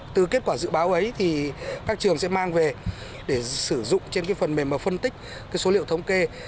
từ kết quả dự báo ấy thì các trường sẽ mang về để sử dụng trên cái phần mềm phân tích số liệu thống kê